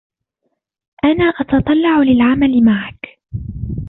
أنا أتتطلع للعمل معك.